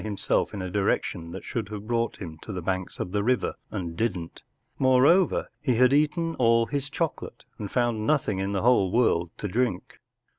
himself in a direction that should have brought him to the banks of the river and didn’t. More¬ over, he had eaten all his chocolate and found nothing in the w'hole world to drink.